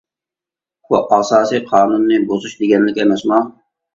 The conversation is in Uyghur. بۇ ئاساسىي قانۇننى بۇزۇش دېگەنلىك ئەمەسمۇ؟ !